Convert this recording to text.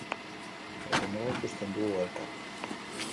Egunero ikusten dugu elkar.